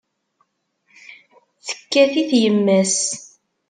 Tekkat-it yemma-s.